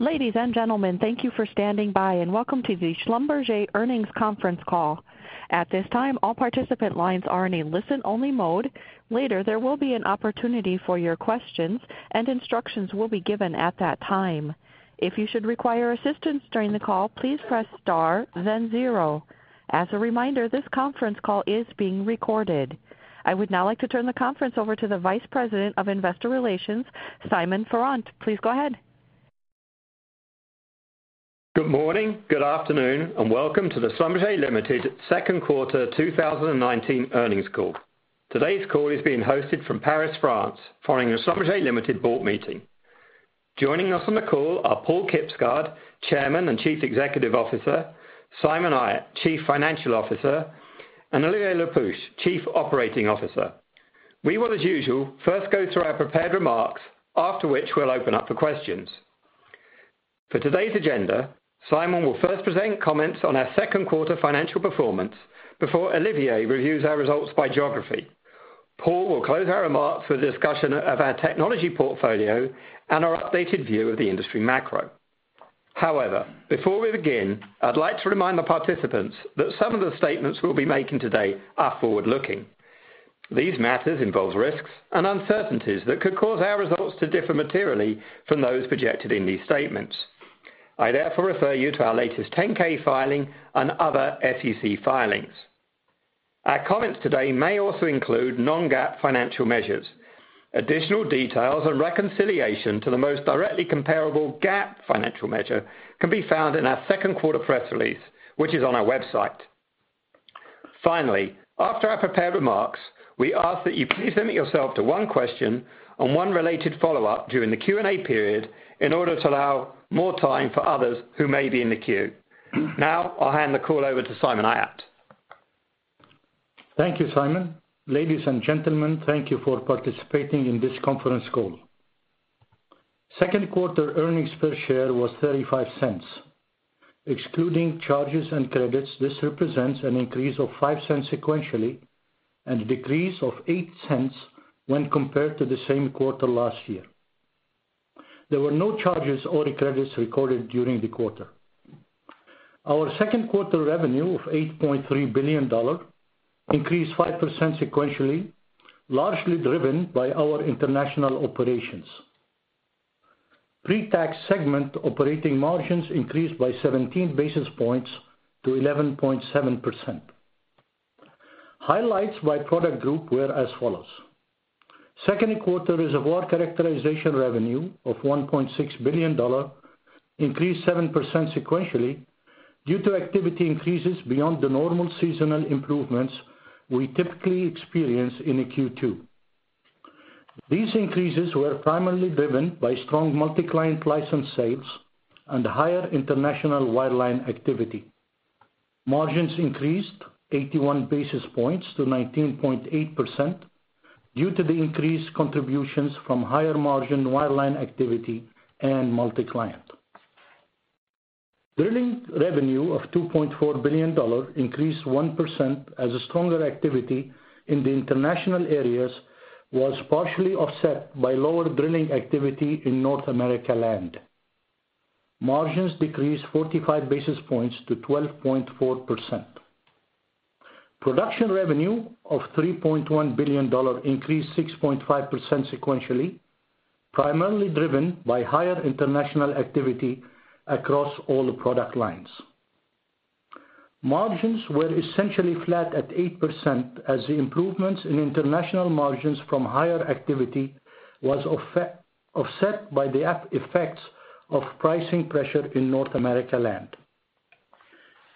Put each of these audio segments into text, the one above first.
Ladies and gentlemen, thank you for standing by. Welcome to the Schlumberger Earnings Conference Call. At this time, all participant lines are in a listen-only mode. Later, there will be an opportunity for your questions. Instructions will be given at that time. If you should require assistance during the call, please press star then zero. As a reminder, this conference call is being recorded. I would now like to turn the conference over to the Vice President of Investor Relations, Simon Farrant. Please go ahead. Good morning, good afternoon. Welcome to the Schlumberger Limited second quarter 2019 earnings call. Today's call is being hosted from Paris, France, following the Schlumberger Limited board meeting. Joining us on the call are Paal Kibsgaard, Chairman and Chief Executive Officer, Simon Ayat, Chief Financial Officer, and Olivier Le Peuch, Chief Operating Officer. We will, as usual, first go through our prepared remarks, after which we'll open up for questions. For today's agenda, Simon will first present comments on our second quarter financial performance before Olivier reviews our results by geography. Paal will close our remarks with a discussion of our technology portfolio and our updated view of the industry macro. Before we begin, I'd like to remind the participants that some of the statements we'll be making today are forward-looking. These matters involve risks and uncertainties that could cause our results to differ materially from those projected in these statements. I therefore refer you to our latest 10-K filing and other SEC filings. Our comments today may also include non-GAAP financial measures. Additional details and reconciliation to the most directly comparable GAAP financial measure can be found in our second quarter press release, which is on our website. Finally, after our prepared remarks, we ask that you please limit yourself to one question and one related follow-up during the Q&A period in order to allow more time for others who may be in the queue. Now, I'll hand the call over to Simon Ayat. Thank you, Simon. Ladies and gentlemen, thank you for participating in this conference call. Second quarter earnings per share was $0.35. Excluding charges and credits, this represents an increase of $0.05 sequentially and a decrease of $0.08 when compared to the same quarter last year. There were no charges or credits recorded during the quarter. Our second quarter revenue of $8.3 billion increased 5% sequentially, largely driven by our international operations. Pre-tax segment operating margins increased by 17 basis points to 11.7%. Highlights by product group were as follows. Second quarter reservoir characterization revenue of $1.6 billion increased 7% sequentially due to activity increases beyond the normal seasonal improvements we typically experience in a Q2. These increases were primarily driven by strong multi-client license sales and higher international wireline activity. Margins increased 81 basis points to 19.8% due to the increased contributions from higher-margin wireline activity and multi-client. Drilling revenue of $2.4 billion increased 1% as stronger activity in the international areas was partially offset by lower drilling activity in North America Land. Margins decreased 45 basis points to 12.4%. Production revenue of $3.1 billion increased 6.5% sequentially, primarily driven by higher international activity across all the product lines. Margins were essentially flat at 8% as the improvements in international margins from higher activity was offset by the effects of pricing pressure in North America Land.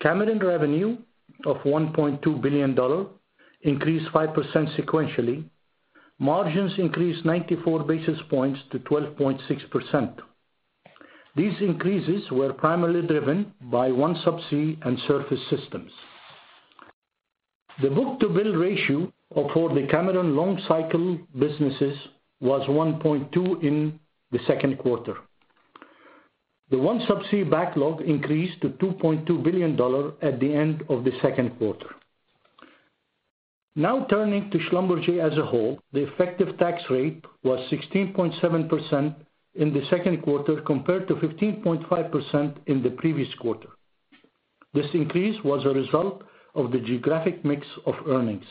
Cameron revenue of $1.2 billion increased 5% sequentially. Margins increased 94 basis points to 12.6%. These increases were primarily driven by OneSubsea and Surface Systems. The book-to-bill ratio for the Cameron long-cycle businesses was 1.2% in the second quarter. The OneSubsea backlog increased to $2.2 billion at the end of the second quarter. Turning to Schlumberger as a whole, the effective tax rate was 16.7% in the second quarter compared to 15.5% in the previous quarter. This increase was a result of the geographic mix of earnings.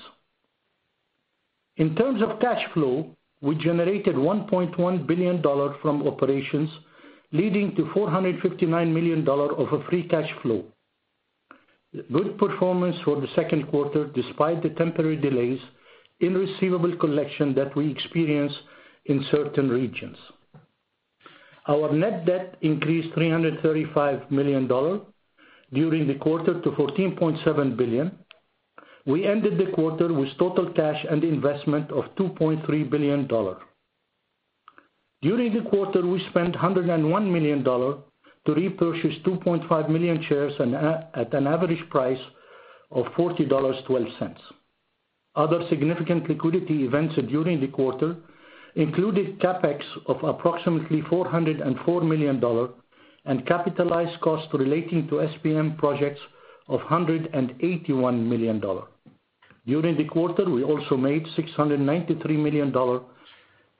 In terms of cash flow, we generated $1.1 billion from operations, leading to $459 million of a free cash flow. Good performance for the second quarter despite the temporary delays in receivable collection that we experienced in certain regions. Our net debt increased $335 million during the quarter to $14.7 billion. We ended the quarter with total cash and investment of $2.3 billion. During the quarter, we spent $101 million to repurchase 2.5 million shares at an average price of $40.12. Other significant liquidity events during the quarter included CapEx of approximately $404 million and capitalized costs relating to SPM projects of $181 million. During the quarter, we also made $693 million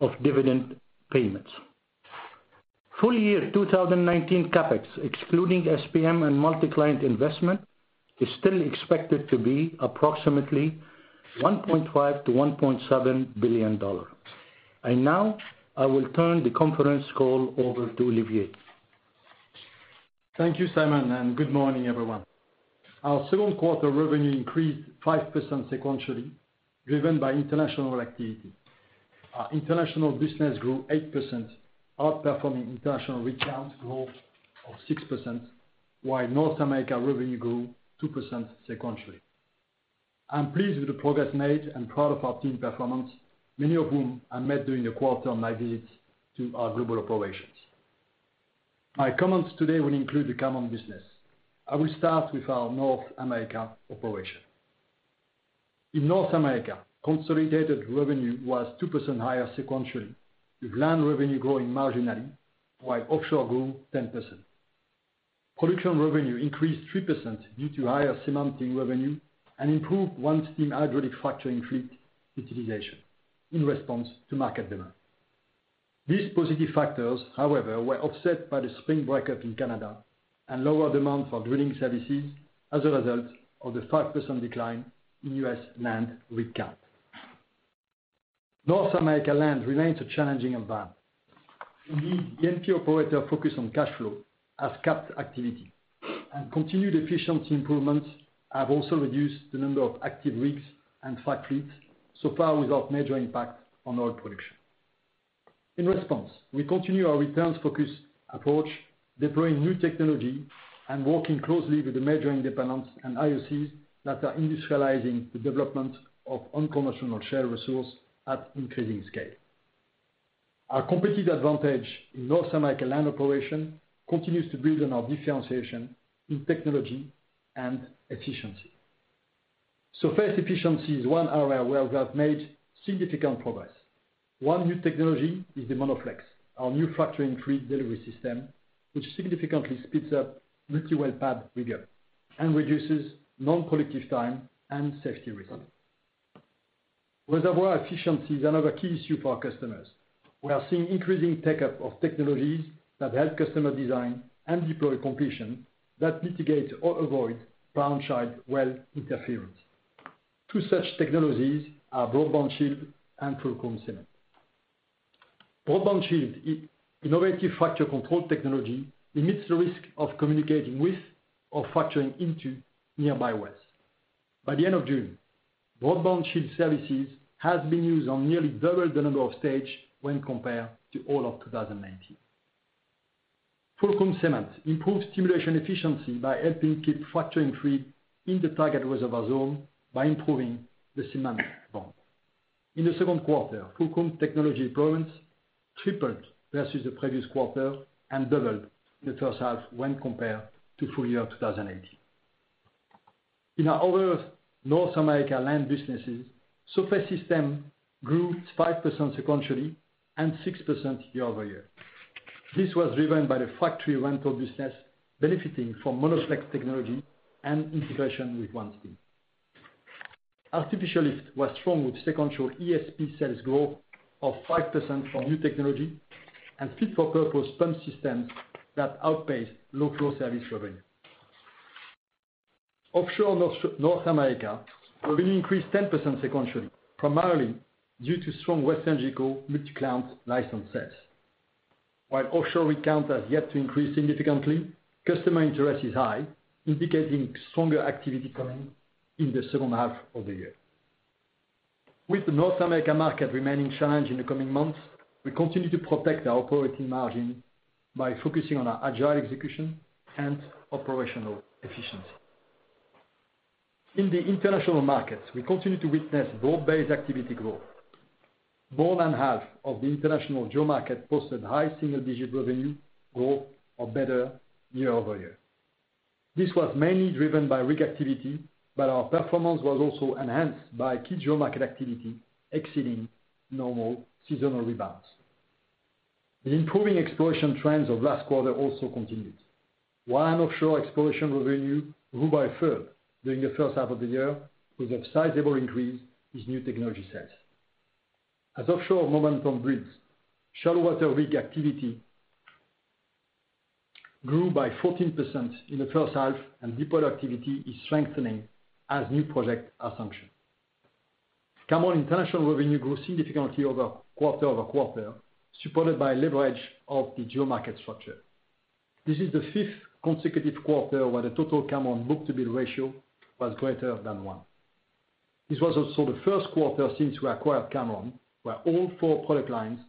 of dividend payments. Full year 2019 CapEx, excluding SPM and multi-client investment, is still expected to be approximately $1.5 billion-$1.7 billion. Now, I will turn the conference call over to Olivier. Thank you, Simon, and good morning, everyone. Our second quarter revenue increased 5% sequentially, driven by international activity. Our international business grew 8%, outperforming international rig count growth of 6%, while North America revenue grew 2% sequentially. I'm pleased with the progress made and proud of our team performance, many of whom I met during the quarter on my visits to our global operations. My comments today will include the Cameron business. I will start with our North America operation. In North America, consolidated revenue was 2% higher sequentially, with land revenue growing marginally, while offshore grew 10%. Production revenue increased 3% due to higher cementing revenue and improved OneStim hydraulic fracturing fleet utilization in response to market demand. These positive factors, however, were offset by the spring breakup in Canada and lower demand for drilling services as a result of the 5% decline in U.S. land rig count. North America land remains a challenging environment. Indeed, the E&P operator focus on cash flow has capped activity, and continued efficiency improvements have also reduced the number of active rigs and frac fleets, so far without major impact on oil production. In response, we continue our returns-focused approach, deploying new technology and working closely with the major independents and IOCs that are industrializing the development of unconventional shale resource at increasing scale. Our competitive advantage in North America land operation continues to build on our differentiation in technology and efficiency. Surface efficiency is one area where we have made significant progress. One new technology is the MonoFlex, our new fracturing fleet delivery system, which significantly speeds up multi-well pad rigor and reduces non-productive time and safety risks. Reservoir efficiency is another key issue for our customers. We are seeing increasing take-up of technologies that help customer design and deploy completion that mitigate or avoid parent-child well interference. Two such technologies are BroadBand Shield and Fulcrum cement. BroadBand Shield innovative fracture control technology limits the risk of communicating with or fracturing into nearby wells. By the end of June, BroadBand Shield services has been used on nearly double the number of stages when compared to all of 2019. Fulcrum cement improves stimulation efficiency by helping keep fracturing fluid in the target reservoir zone by improving the cement bond. In the second quarter, Fulcrum technology deployments tripled versus the previous quarter and doubled in the first half when compared to full year 2018. In our other North America land businesses, Surface Systems grew 5% sequentially and 6% year-over-year. This was driven by the factory rental business benefiting from MonoFlex technology and integration with OneStim. Artificial lift was strong with sequential ESP sales growth of 5% for new technology and fit-for-purpose pump systems that outpaced low-flow service revenue. Offshore North America revenue increased 10% sequentially, primarily due to strong West Africa multi-client license sales. While offshore rig count has yet to increase significantly, customer interest is high, indicating stronger activity coming in the second half of the year. With the North America market remaining challenged in the coming months, we continue to protect our operating margin by focusing on our agile execution and operational efficiency. In the international markets, we continue to witness broad-based activity growth. More than half of the international geo-market posted high single-digit revenue growth or better year-over-year. This was mainly driven by rig activity, but our performance was also enhanced by key geo market activity exceeding normal seasonal rebounds. The improving exploration trends of last quarter also continued. Offshore exploration revenue grew by a third during the first half of the year, with a sizable increase in new technology sales. As offshore momentum builds, shallow water rig activity grew by 14% in the first half, and deeper activity is strengthening as new projects are functioned. Cameron international revenue grew significantly quarter-over-quarter, supported by leverage of the geo market structure. This is the fifth consecutive quarter where the total Cameron book-to-bill ratio was greater than one. This was also the first quarter since we acquired Cameron, where all four product lines,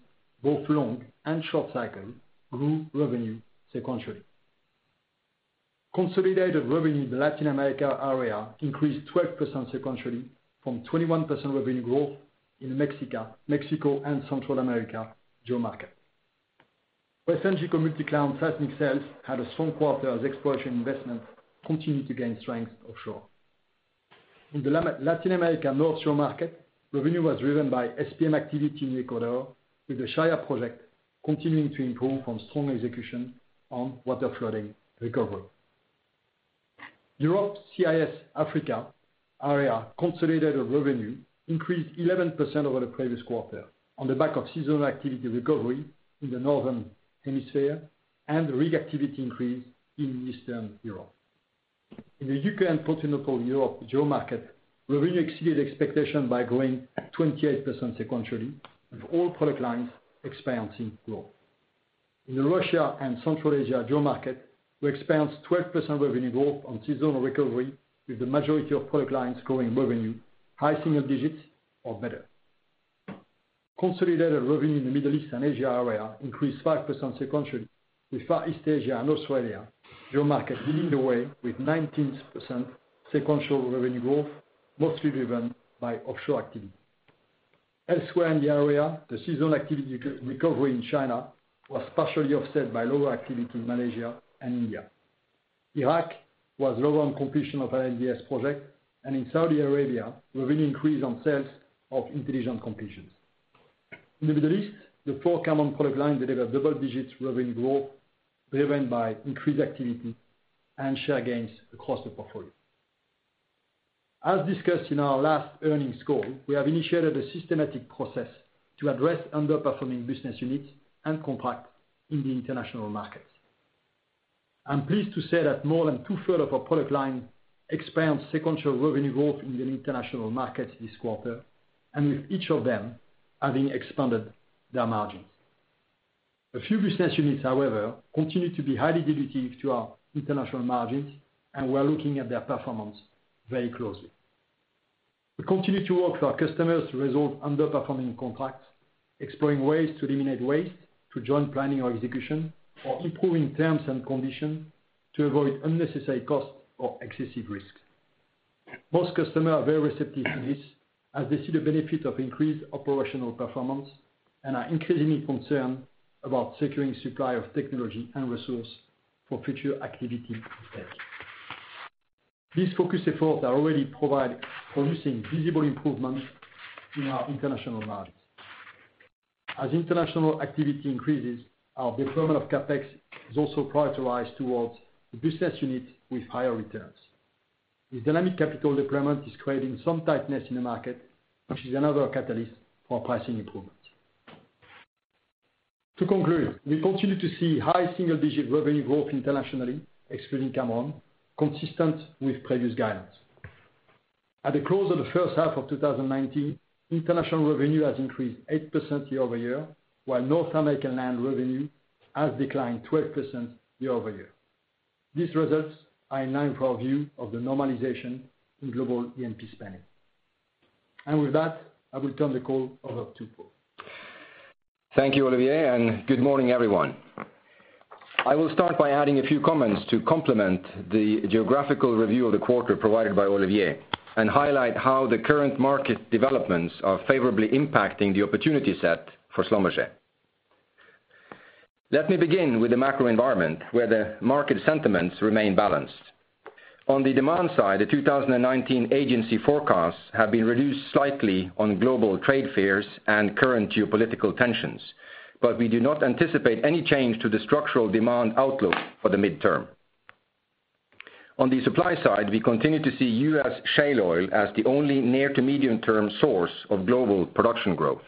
both long and short cycle, grew revenue sequentially. Consolidated revenue in the Latin America area increased 12% sequentially from 21% revenue growth in Mexico and Central America geo market. West Africa multi-client seismic sales had a strong quarter as exploration investments continued to gain strength offshore. In the Latin America North GeoMarket, revenue was driven by SPM activity in Ecuador with the Shushufindi project. Continuing to improve from strong execution on waterflooding recovery. Europe, CIS, Africa area consolidated revenue increased 11% over the previous quarter on the back of seasonal activity recovery in the northern hemisphere and rig activity increase in Eastern Europe. In the U.K. and continental Europe geomarket, revenue exceeded expectation by growing 28% sequentially, with all product lines experiencing growth. In the Russia and Central Asia geomarket, we experienced 12% revenue growth on seasonal recovery, with the majority of product lines growing revenue high single digits or better. Consolidated revenue in the Middle East and Asia area increased 5% sequentially, with Far East Asia and Australia geomarket leading the way with 19% sequential revenue growth, mostly driven by offshore activity. Elsewhere in the area, the seasonal activity recovery in China was partially offset by lower activity in Malaysia and India. Iraq was low on completion of an IDS project, and in Saudi Arabia, revenue increased on sales of intelligent completions. In the Middle East, the four Cameron product lines delivered double-digits revenue growth, driven by increased activity and share gains across the portfolio. As discussed in our last earnings call, we have initiated a systematic process to address underperforming business units and contracts in the international markets. I'm pleased to say that more than two-thirds of our product line experienced sequential revenue growth in the international market this quarter, and with each of them having expanded their margins. A few business units, however, continue to be highly dilutive to our international margins, and we're looking at their performance very closely. We continue to work with our customers to resolve underperforming contracts, exploring ways to eliminate waste, to join planning or execution, or improving terms and conditions to avoid unnecessary costs or excessive risk. Most customers are very receptive to this, as they see the benefit of increased operational performance and are increasingly concerned about securing supply of technology and resource for future activity. These focused efforts are already producing visible improvements in our international markets. As international activity increases, our deployment of CapEx is also prioritized towards the business unit with higher returns. This dynamic capital deployment is creating some tightness in the market, which is another catalyst for pricing improvements. To conclude, we continue to see high single-digit revenue growth internationally, excluding Cameron, consistent with previous guidance. At the close of the first half of 2019, international revenue has increased 8% year-over-year, while North American land revenue has declined 12% year-over-year. These results are in line with our view of the normalization in global E&P spending. With that, I will turn the call over to Paal. Thank you, Olivier, and good morning, everyone. I will start by adding a few comments to complement the geographical review of the quarter provided by Olivier and highlight how the current market developments are favorably impacting the opportunity set for Schlumberger. Let me begin with the macro environment, where the market sentiments remain balanced. On the demand side, the 2019 agency forecasts have been reduced slightly on global trade fears and current geopolitical tensions. We do not anticipate any change to the structural demand outlook for the midterm. On the supply side, we continue to see U.S. shale oil as the only near to medium-term source of global production growth.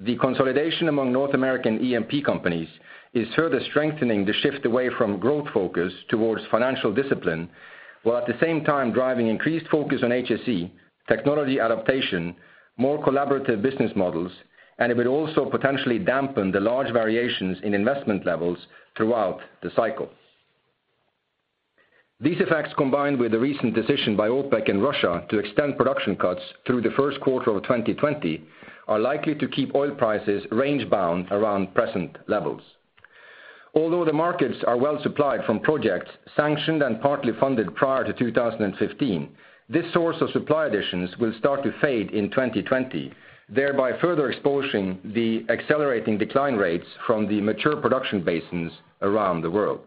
The consolidation among North American E&P companies is further strengthening the shift away from growth focus towards financial discipline, while at the same time driving increased focus on HSE, technology adaptation, more collaborative business models, and it will also potentially dampen the large variations in investment levels throughout the cycle. These effects, combined with the recent decision by OPEC and Russia to extend production cuts through the first quarter of 2020, are likely to keep oil prices range-bound around present levels. Although the markets are well supplied from projects sanctioned and partly funded prior to 2015, this source of supply additions will start to fade in 2020, thereby further exposing the accelerating decline rates from the mature production basins around the world.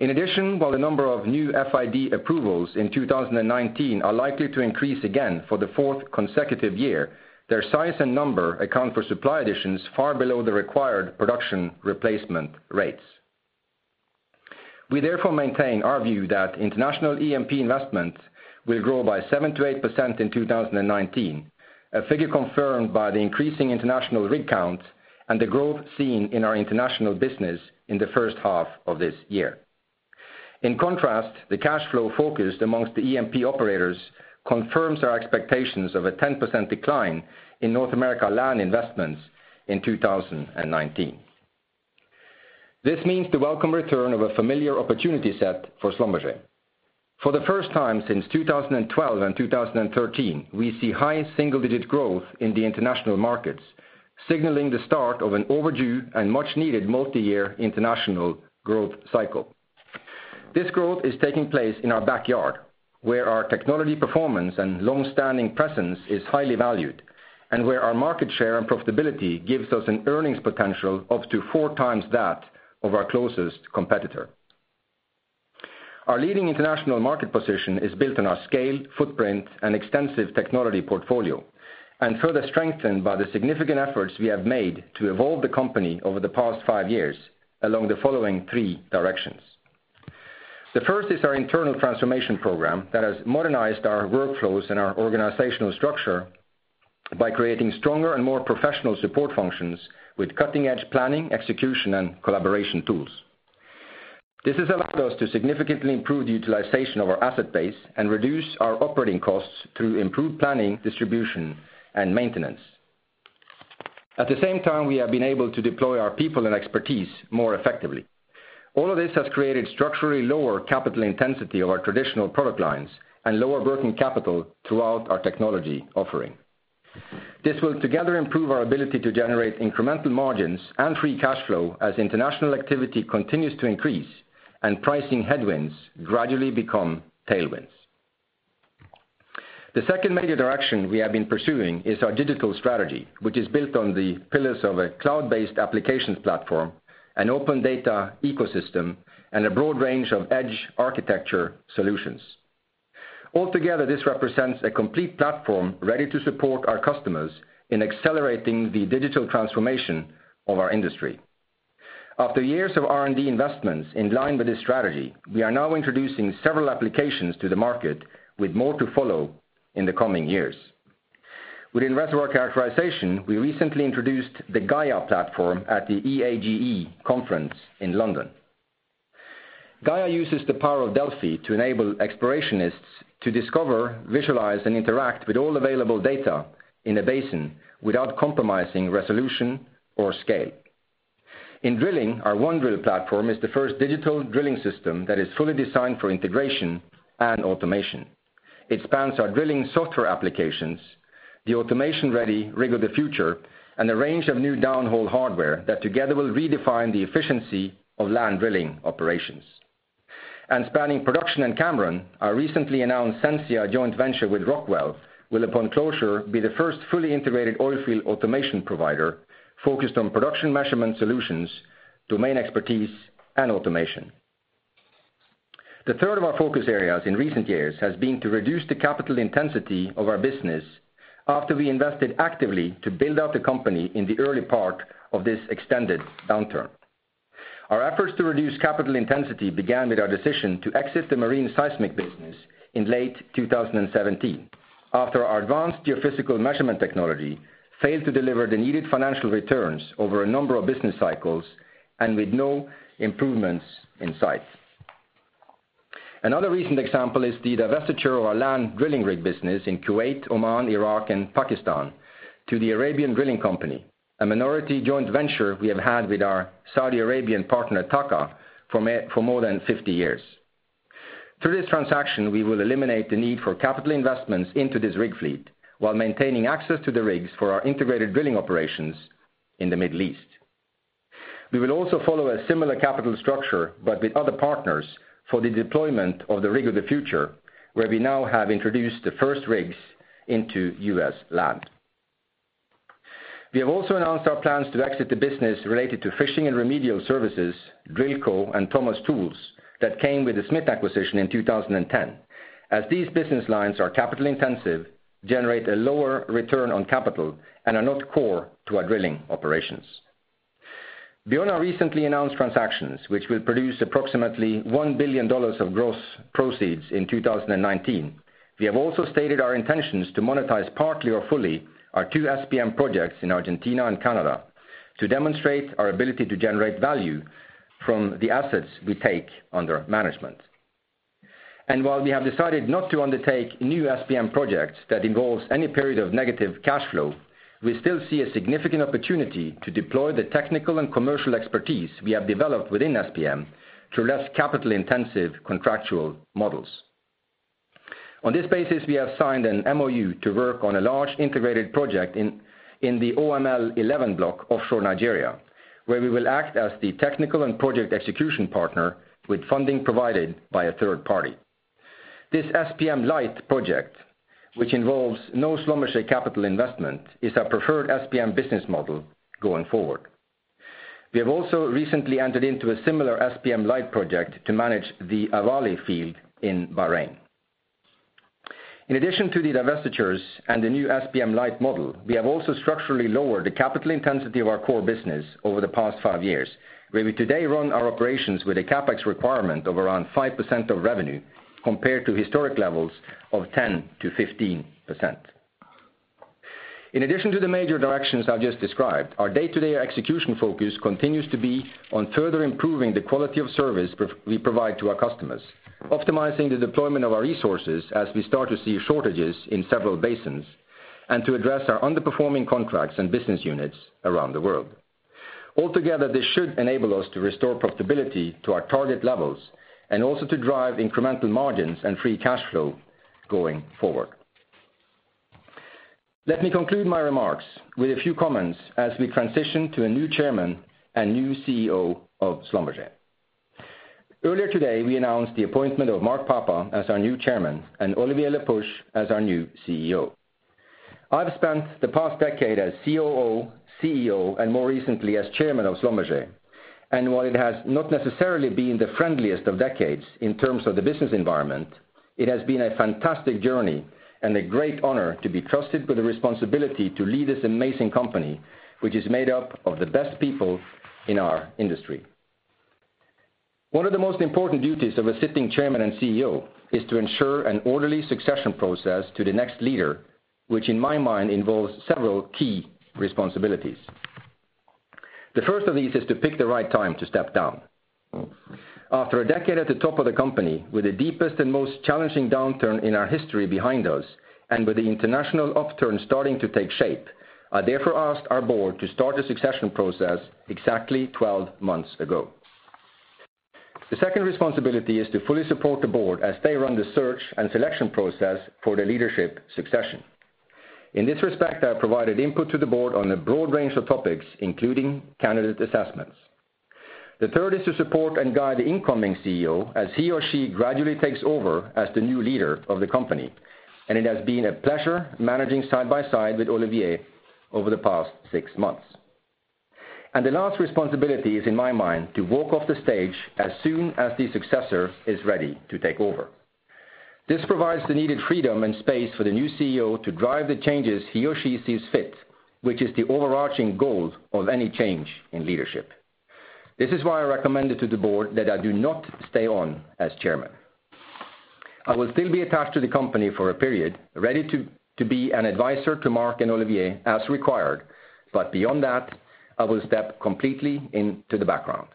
While the number of new FID approvals in 2019 are likely to increase again for the fourth consecutive year, their size and number account for supply additions far below the required production replacement rates. We therefore maintain our view that international E&P investment will grow by 7%-8% in 2019. A figure confirmed by the increasing international rig count and the growth seen in our international business in the first half of this year. In contrast, the cash flow focused amongst the E&P operators confirms our expectations of a 10% decline in North America land investments in 2019. This means the welcome return of a familiar opportunity set for Schlumberger. For the first time since 2012 and 2013, we see high single-digit growth in the international markets, signaling the start of an overdue and much-needed multi-year international growth cycle. This growth is taking place in our backyard, where our technology performance and longstanding presence is highly valued, and where our market share and profitability gives us an earnings potential up to 4x that of our closest competitor. Our leading international market position is built on our scale, footprint, and extensive technology portfolio, and further strengthened by the significant efforts we have made to evolve the company over the past five years along the following three directions. The first is our internal transformation program that has modernized our workflows and our organizational structure by creating stronger and more professional support functions with cutting-edge planning, execution, and collaboration tools. This has allowed us to significantly improve the utilization of our asset base and reduce our operating costs through improved planning, distribution, and maintenance. At the same time, we have been able to deploy our people and expertise more effectively. All of this has created structurally lower capital intensity of our traditional product lines and lower working capital throughout our technology offering. This will together improve our ability to generate incremental margins and free cash flow as international activity continues to increase and pricing headwinds gradually become tailwinds. The second major direction we have been pursuing is our digital strategy, which is built on the pillars of a cloud-based applications platform, an open data ecosystem, and a broad range of edge architecture solutions. Altogether, this represents a complete platform ready to support our customers in accelerating the digital transformation of our industry. After years of R&D investments in line with this strategy, we are now introducing several applications to the market, with more to follow in the coming years. Within reservoir characterization, we recently introduced the DELFI platform at the EAGE Conference in London. Gaia uses the power of DELFI to enable explorationists to discover, visualize, and interact with all available data in a basin without compromising resolution or scale. In drilling, our OneDrill platform is the first digital drilling system that is fully designed for integration and automation. It spans our drilling software applications, the automation-ready Rig of the Future, and a range of new downhole hardware that together will redefine the efficiency of land drilling operations. Spanning production and Cameron, our recently announced Sensia joint venture with Rockwell, will upon closure, be the first fully integrated oil field automation provider focused on production measurement solutions, domain expertise, and automation. The third of our focus areas in recent years has been to reduce the capital intensity of our business after we invested actively to build out the company in the early part of this extended downturn. Our efforts to reduce capital intensity began with our decision to exit the marine seismic business in late 2017, after our advanced geophysical measurement technology failed to deliver the needed financial returns over a number of business cycles and with no improvements in sight. Another recent example is the divestiture of our land drilling rig business in Kuwait, Oman, Iraq, and Pakistan to the Arabian Drilling Company, a minority joint venture we have had with our Saudi Arabian partner, TAQA, for more than 50 years. Through this transaction, we will eliminate the need for capital investments into this rig fleet while maintaining access to the rigs for our integrated drilling operations in the Middle East. We will also follow a similar capital structure, but with other partners, for the deployment of the Rig of the Future, where we now have introduced the first rigs into U.S. land. We have also announced our plans to exit the business related to fishing and remedial services, DRILCO and Thomas Tools, that came with the Smith acquisition in 2010. As these business lines are capital intensive, generate a lower return on capital, and are not core to our drilling operations. Beyond our recently announced transactions, which will produce approximately $1 billion of gross proceeds in 2019, we have also stated our intentions to monetize partly or fully our two SPM projects in Argentina and Canada to demonstrate our ability to generate value from the assets we take under management. While we have decided not to undertake new SPM projects that involves any period of negative cash flow, we still see a significant opportunity to deploy the technical and commercial expertise we have developed within SPM to less capital-intensive contractual models. On this basis, we have signed an MoU to work on a large integrated project in the OML 11 block offshore Nigeria, where we will act as the technical and project execution partner with funding provided by a third party. This SPM Light project, which involves no Schlumberger capital investment, is our preferred SPM business model going forward. We have also recently entered into a similar SPM Light project to manage the Awali field in Bahrain. In addition to the divestitures and the new SPM Light model, we have also structurally lowered the capital intensity of our core business over the past five years, where we today run our operations with a CapEx requirement of around 5% of revenue compared to historic levels of 10%-15%. In addition to the major directions I've just described, our day-to-day execution focus continues to be on further improving the quality of service we provide to our customers, optimizing the deployment of our resources as we start to see shortages in several basins, and to address our underperforming contracts and business units around the world. Altogether, this should enable us to restore profitability to our target levels and also to drive incremental margins and free cash flow going forward. Let me conclude my remarks with a few comments as we transition to a new Chairman and new CEO of Schlumberger. Earlier today, we announced the appointment of Mark Papa as our new Chairman and Olivier Le Peuch as our new CEO. I've spent the past decade as COO, CEO, and more recently as Chairman of Schlumberger. While it has not necessarily been the friendliest of decades in terms of the business environment, it has been a fantastic journey and a great honor to be trusted with the responsibility to lead this amazing company, which is made up of the best people in our industry. One of the most important duties of a sitting chairman and CEO is to ensure an orderly succession process to the next leader, which in my mind involves several key responsibilities. The first of these is to pick the right time to step down. After a decade at the top of the company, with the deepest and most challenging downturn in our history behind us, with the international upturn starting to take shape, I therefore asked our board to start the succession process exactly 12 months ago. The second responsibility is to fully support the board as they run the search and selection process for the leadership succession. In this respect, I have provided input to the board on a broad range of topics, including candidate assessments. The third is to support and guide the incoming CEO as he or she gradually takes over as the new leader of the company, and it has been a pleasure managing side by side with Olivier over the past 6 months. The last responsibility is, in my mind, to walk off the stage as soon as the successor is ready to take over. This provides the needed freedom and space for the new CEO to drive the changes he or she sees fit, which is the overarching goal of any change in leadership. This is why I recommended to the board that I do not stay on as chairman. I will still be attached to the company for a period, ready to be an advisor to Mark and Olivier as required, but beyond that, I will step completely into the background.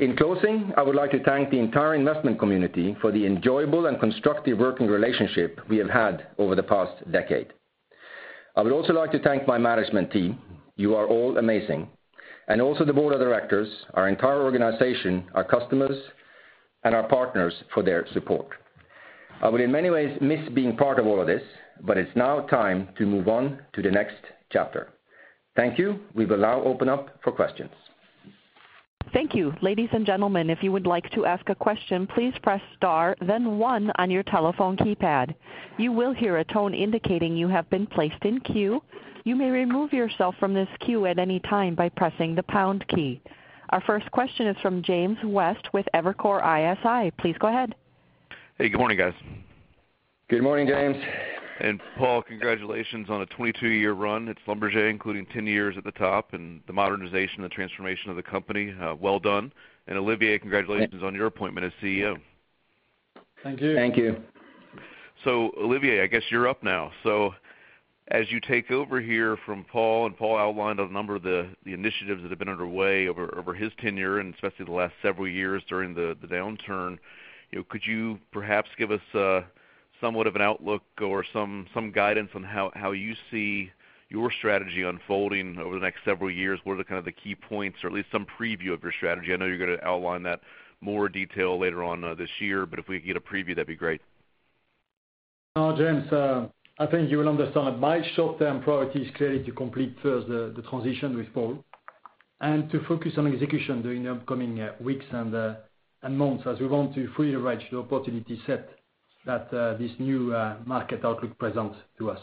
In closing, I would like to thank the entire investment community for the enjoyable and constructive working relationship we have had over the past decade. I would also like to thank my management team, you are all amazing, and also the board of directors, our entire organization, our customers, and our partners for their support. I will in many ways miss being part of all of this, but it's now time to move on to the next chapter. Thank you. We will now open up for questions. Thank you. Ladies and gentlemen, if you would like to ask a question, please press star, then one on your telephone keypad. You will hear a tone indicating you have been placed in queue. You may remove yourself from this queue at any time by pressing the pound key. Our first question is from James West with Evercore ISI. Please go ahead. Hey, good morning, guys. Good morning, James. Paal, congratulations on a 22-year run at Schlumberger, including 10 years at the top and the modernization and the transformation of the company. Well done. Olivier, congratulations on your appointment as CEO. Thank you. Thank you. Olivier, I guess you're up now. As you take over here from Paal outlined a number of the initiatives that have been underway over his tenure and especially the last several years during the downturn, could you perhaps give us somewhat of an outlook or some guidance on how you see your strategy unfolding over the next several years? What are kind of the key points or at least some preview of your strategy? I know you're going to outline that in more detail later on this year, but if we could get a preview, that'd be great. James, I think you will understand my short-term priority is clearly to complete first the transition with Paal and to focus on execution during the upcoming weeks and months as we want to fully leverage the opportunity set that this new market outlook presents to us.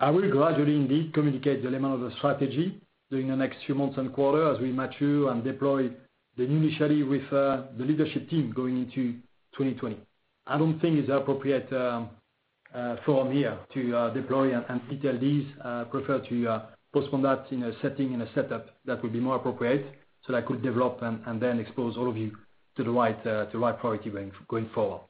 I will gradually indeed communicate the element of the strategy during the next few months and quarter as we mature and deploy the new initiative with the leadership team going into 2020. I don't think it's appropriate for me to deploy and detail these. I prefer to postpone that in a setting, in a setup that would be more appropriate so that I could develop and then expose all of you to the right priority going forward.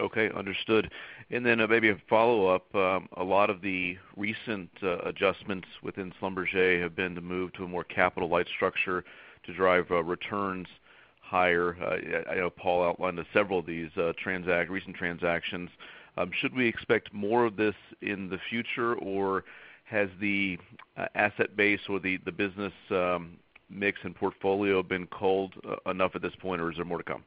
Okay, understood. Then maybe a follow-up. A lot of the recent adjustments within Schlumberger have been to move to a more capital-light structure to drive returns higher. I know Paal outlined several of these recent transactions. Should we expect more of this in the future, or has the asset base or the business mix and portfolio been culled enough at this point, or is there more to come?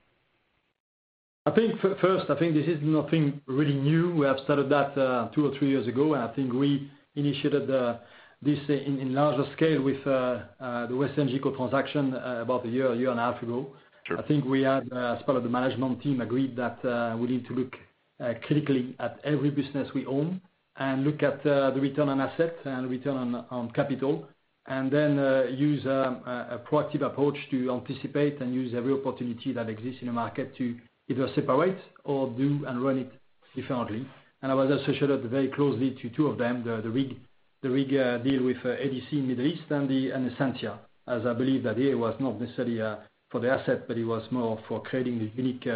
First, I think this is nothing really new. We have started that two or three years ago, and I think we initiated this in larger scale with the WesternGeco transaction about a year and a half ago. Sure. I think we as part of the management team agreed that we need to look critically at every business we own and look at the return on asset and return on capital, then use a proactive approach to anticipate and use every opportunity that exists in the market to either separate or do and run it differently. I was associated very closely to two of them, the RIG deal with ADC in Middle East and Sensia, as I believe that here was not necessarily for the asset, but it was more for creating this unique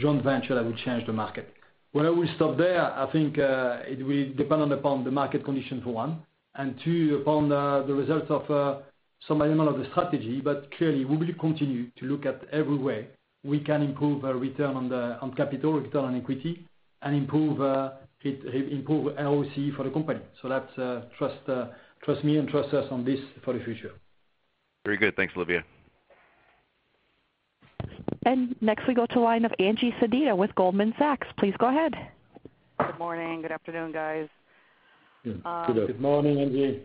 joint venture that would change the market. Where we stop there, I think it will dependent upon the market condition for one, and two, upon the results of some element of the strategy. Clearly, we will continue to look at every way we can improve our return on capital, return on equity, and improve ROC for the company. Trust me and trust us on this for the future. Very good. Thanks, Olivier. Next we go to line of Angie Sedita with Goldman Sachs. Please go ahead. Good morning. Good afternoon, guys Good morning, Angie.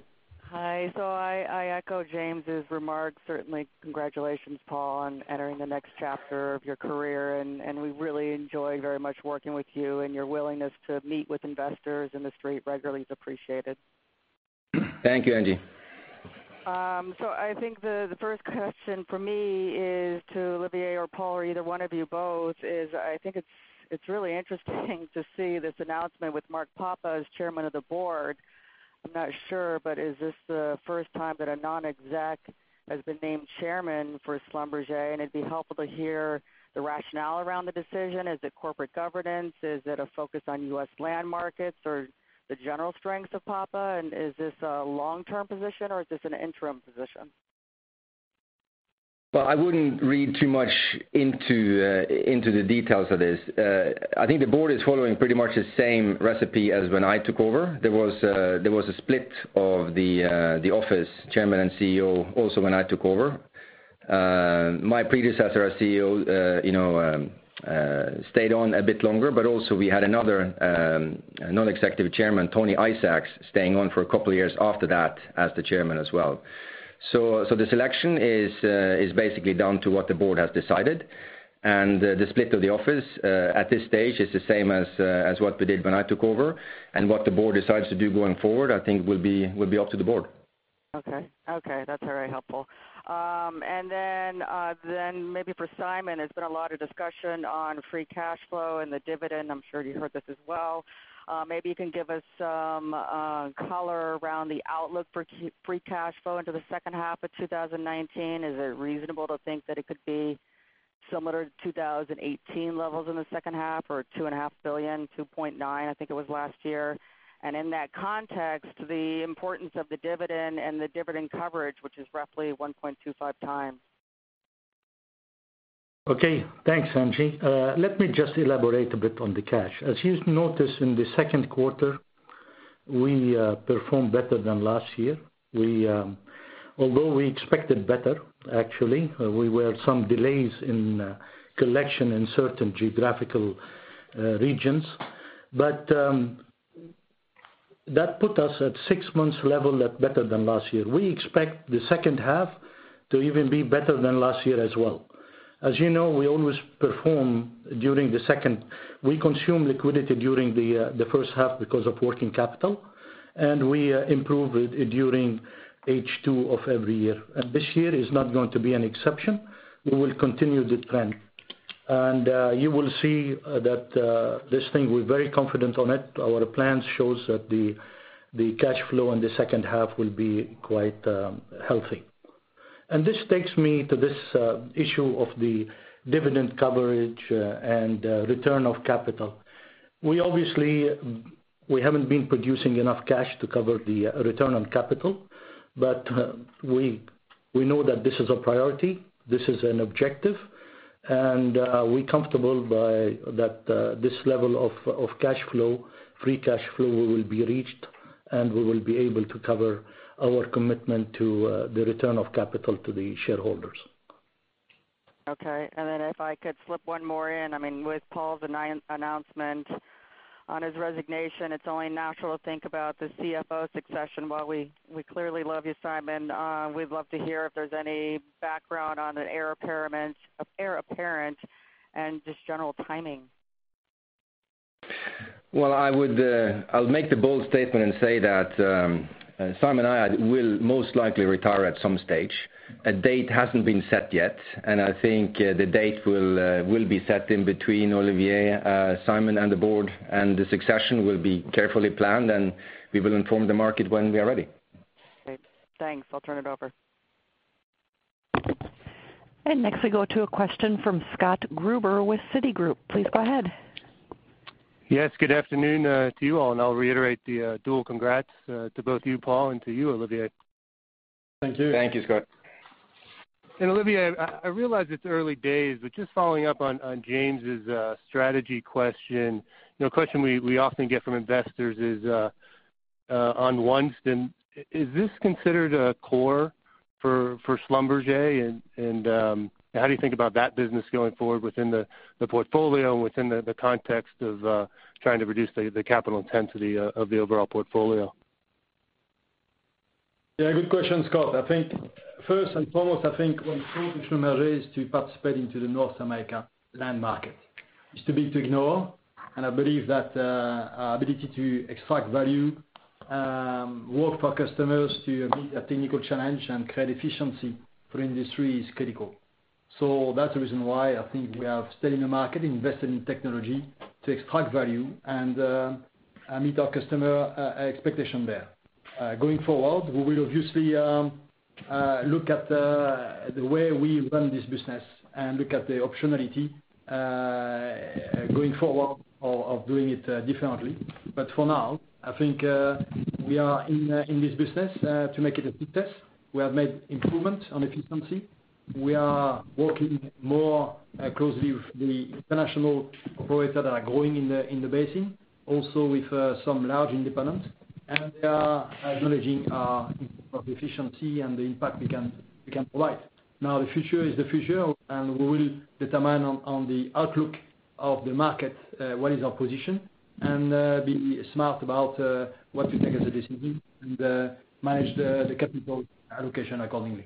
Hi. I echo James' remarks. Certainly, congratulations, Paal, on entering the next chapter of your career. We really enjoy very much working with you, and your willingness to meet with investors in the Street regularly is appreciated. Thank you, Angie. I think the first question from me is to Olivier or Paal, or either one of you both, is I think it's really interesting to see this announcement with Mark Papa as Chairman of the Board. I'm not sure, but is this the first time that a non-exec has been named chairman for Schlumberger? It'd be helpful to hear the rationale around the decision. Is it corporate governance? Is it a focus on U.S. land markets or the general strengths of Papa? Is this a long-term position or is this an interim position? Well, I wouldn't read too much into the details of this. I think the board is following pretty much the same recipe as when I took over. There was a split of the office chairman and CEO also when I took over. My predecessor as CEO stayed on a bit longer. Also we had another non-executive chairman, Tony Isaac, staying on for a couple of years after that as the chairman as well. The selection is basically down to what the board has decided. The split of the office at this stage is the same as what we did when I took over. What the board decides to do going forward, I think will be up to the board. Okay. That's very helpful. Then maybe for Simon, there's been a lot of discussion on free cash flow and the dividend. I'm sure you heard this as well. Maybe you can give us some color around the outlook for free cash flow into the second half of 2019. Is it reasonable to think that it could be similar to 2018 levels in the second half or $2.5 billion-$2.9 billion, I think it was last year. In that context, the importance of the dividend and the dividend coverage, which is roughly 1.25. Okay, thanks, Angie. Let me just elaborate a bit on the cash. As you've noticed in the second quarter, we performed better than last year. Although we expected better, actually. We were some delays in collection in certain geographical regions. That put us at six months level at better than last year. We expect the second half to even be better than last year as well. As you know, we always perform during the second. We consume liquidity during the first half because of working capital, and we improve it during H2 of every year. This year is not going to be an exception. We will continue the trend. You will see that this thing, we're very confident on it. Our plans shows that the cash flow in the second half will be quite healthy. This takes me to this issue of the dividend coverage and return of capital. We obviously haven't been producing enough cash to cover the return on capital, but we know that this is a priority. This is an objective, and we're comfortable that this level of cash flow, free cash flow, will be reached, and we will be able to cover our commitment to the return of capital to the shareholders. Okay. Then if I could slip one more in. With Paal's announcement on his resignation, it's only natural to think about the CFO succession. While we clearly love you, Simon, we'd love to hear if there's any background on an heir apparent and just general timing. Well, I'll make the bold statement say that Simon and I will most likely retire at some stage. A date hasn't been set yet, I think the date will be set in between Olivier, Simon, and the board, the succession will be carefully planned, we will inform the market when we are ready. Great. Thanks. I'll turn it over. Next we go to a question from Scott Gruber with Citigroup. Please go ahead. Yes, good afternoon to you all, and I'll reiterate the dual congrats to both you, Paal, and to you, Olivier. Thank you. Thank you, Scott. Olivier, I realize it's early days, but just following up on James' strategy question. A question we often get from investors is on OneStim. Is this considered a core for Schlumberger? How do you think about that business going forward within the portfolio and within the context of trying to reduce the capital intensity of the overall portfolio? Yeah, good question, Scott. First and foremost, I think when it comes to Schlumberger is to participating to the North America land market. It is too big to ignore, and I believe that our ability to extract value, work for customers to meet a technical challenge and create efficiency for industry is critical. That is the reason why I think we are still in the market, investing in technology to extract value and meet our customer expectation there. Going forward, we will obviously look at the way we run this business and look at the optionality going forward of doing it differently. For now, I think we are in this business to make it a success. We have made improvement on efficiency. We are working more closely with the international operator that are growing in the basin, also with some large independents. They are acknowledging our efficiency and the impact we can provide. Now, the future is the future, and we will determine on the outlook of the market what is our position and be smart about what we take as a decision and manage the capital allocation accordingly.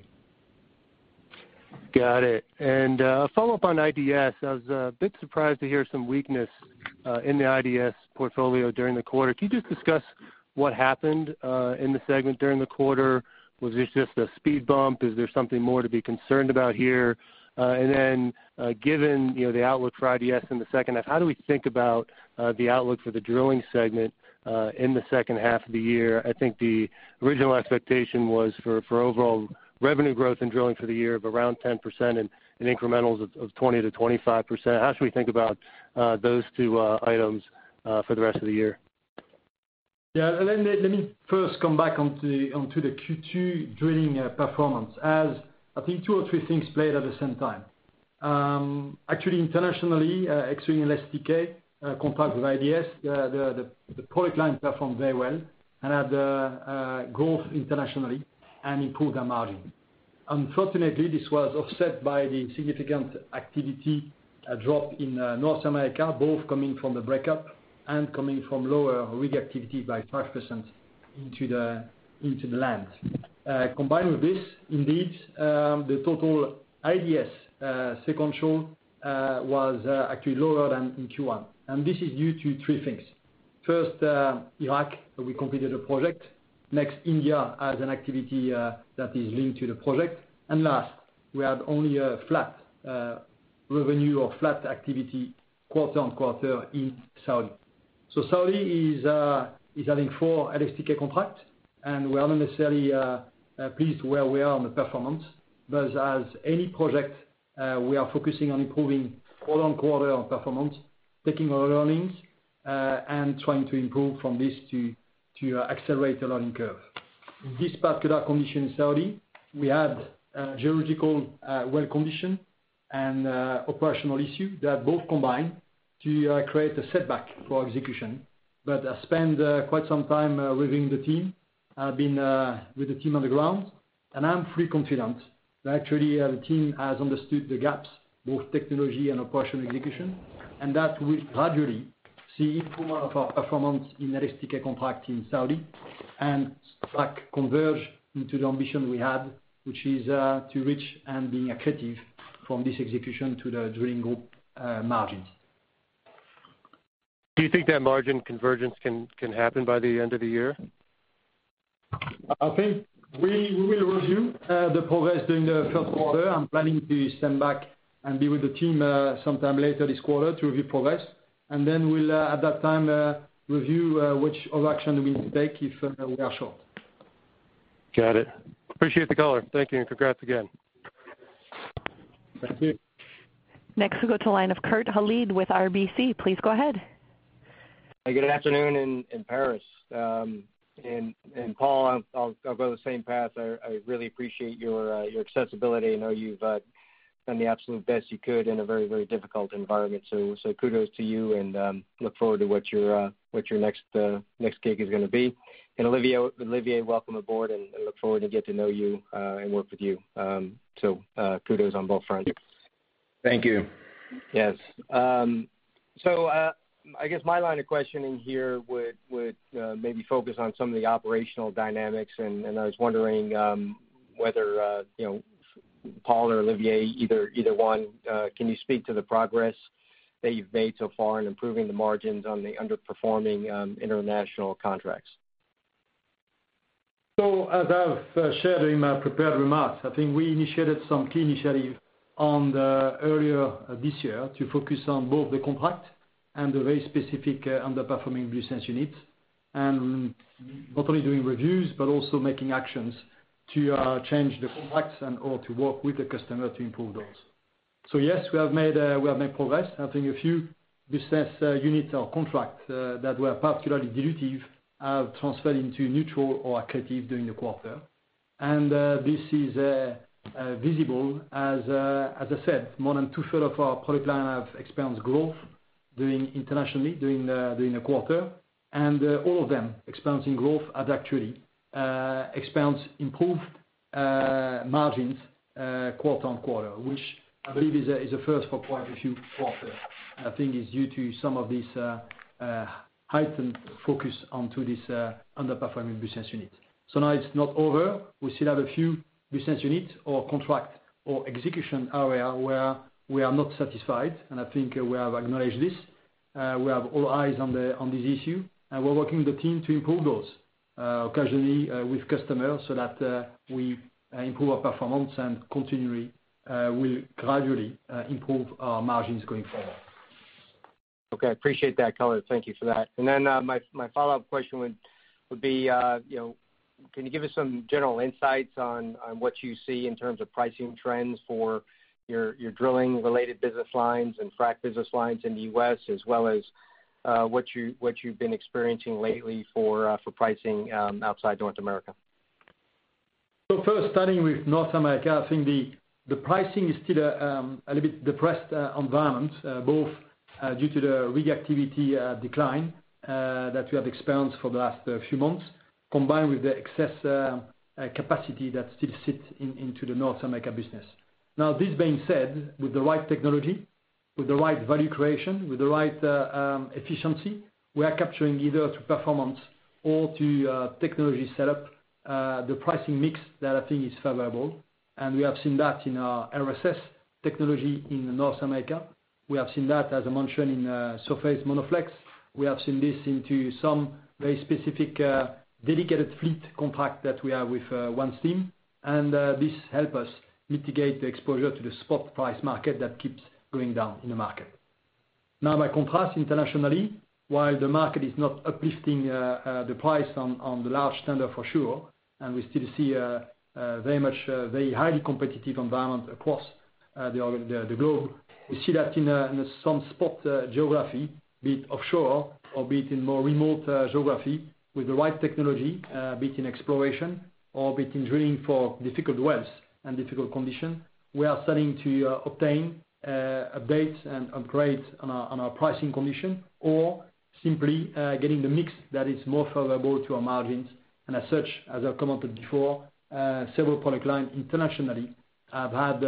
Got it. A follow-up on IDS. I was a bit surprised to hear some weakness in the IDS portfolio during the quarter. Can you just discuss what happened in the segment during the quarter? Was this just a speed bump? Is there something more to be concerned about here? Then given the outlook for IDS in the second half, how do we think about the outlook for the drilling segment in the second half of the year? I think the original expectation was for overall revenue growth in drilling for the year of around 10% and incrementals of 20%-25%. How should we think about those two items for the rest of the year? Yeah. Let me first come back onto the Q2 drilling performance. As I think two or three things played at the same time. Actually, internationally, excluding LSTK, compared with IDS, the product line performed very well and had growth internationally and improved our margin. Unfortunately, this was offset by the significant activity drop in North America, both coming from the breakup and coming from lower rig activity by 5% into the lands. Combined with this, indeed, the total IDS sequential was actually lower than in Q1, and this is due to three things. First, Iraq, we completed a project. Next, India has an activity that is linked to the project. Last, we had only a flat revenue or flat activity quarter-on-quarter in Saudi. Saudi is having four LSTK contracts, and we are not necessarily pleased where we are on the performance. As any project, we are focusing on improving quarter-on-quarter performance, taking our learnings, and trying to improve from this to accelerate the learning curve. This particular condition in Saudi, we had geological well condition and operational issue that both combined to create a setback for our execution. I spent quite some time reviewing the team, have been with the team on the ground, and I'm pretty confident that actually the team has understood the gaps, both technology and operational execution, and that we gradually see improvement of our performance in LSTK contract in Saudi and track converge into the ambition we have, which is to reach and being accretive from this execution to the drilling group margins. Do you think that margin convergence can happen by the end of the year? I think we will review the progress during the first quarter. I'm planning to stand back and be with the team sometime later this quarter to review progress, and then we'll at that time review which action we need to take if we are short. Got it. Appreciate the color. Thank you, and congrats again. Thank you. Next, we go to line of Kurt Hallead with RBC. Please go ahead. Good afternoon in Paris. Paal, I'll go the same path. I really appreciate your accessibility. I know you've done the absolute best you could in a very, very difficult environment. So kudos to you and look forward to what your next gig is going to be. Olivier, welcome aboard, and look forward to get to know you and work with you. So kudos on both fronts. Thank you. Yes. I guess my line of questioning here would maybe focus on some of the operational dynamics, and I was wondering whether, Paal or Olivier, either one, can you speak to the progress that you've made so far in improving the margins on the underperforming international contracts? As I've shared in my prepared remarks, I think we initiated some key initiatives earlier this year to focus on both the contract and the very specific underperforming business units, and not only doing reviews but also making actions to change the contracts and/or to work with the customer to improve those. Yes, we have made progress. I think a few business units or contracts that were particularly dilutive have transferred into neutral or accretive during the quarter. And this is visible as I said, more than two-third of our product line have experienced growth internationally during the quarter. And all of them experiencing growth have actually experienced improved margins quarter-on-quarter, which I believe is a first for quite a few quarters. I think it's due to some of this heightened focus onto these underperforming business units. Now it's not over. We still have a few business units or contract or execution area where we are not satisfied, and I think we have acknowledged this. We have all eyes on this issue, and we're working with the team to improve those, occasionally with customers, so that we improve our performance and continually will gradually improve our margins going forward. Okay. Appreciate that color. Thank you for that. My follow-up question would be can you give us some general insights on what you see in terms of pricing trends for your drilling-related business lines and frac business lines in the U.S., as well as what you've been experiencing lately for pricing outside North America? First, starting with North America, I think the pricing is still a little bit depressed environment, both due to the rig activity decline that we have experienced for the last few months, combined with the excess capacity that still sits into the North America business. This being said, with the right technology. With the right value creation, with the right efficiency, we are capturing either to performance or to technology setup, the pricing mix that I think is favorable. We have seen that in our RSS technology in North America. We have seen that, as I mentioned, in surface MonoFlex. We have seen this into some very specific dedicated fleet contract that we have with OneStim, and this help us mitigate the exposure to the spot price market that keeps going down in the market. By contrast, internationally, while the market is not uplifting the price on the large tender for sure, and we still see a very highly competitive environment across the globe. We see that in some spot geography, be it offshore or be it in more remote geography with the right technology, be it in exploration or be it in drilling for difficult wells and difficult conditions. We are starting to obtain updates and upgrades on our pricing condition or simply getting the mix that is more favorable to our margins. As such, as I've commented before, several product line internationally have had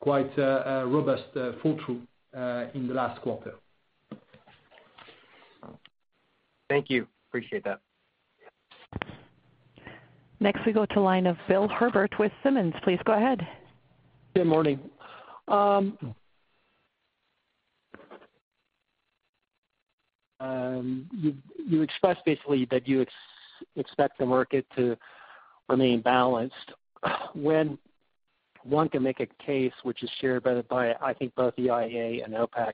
quite a robust fall through in the last quarter. Thank you. Appreciate that. Next we go to line of Bill Herbert with Simmons. Please go ahead. Good morning. You expressed basically that you expect the market to remain balanced. When one can make a case which is shared by, I think both EIA and OPEC,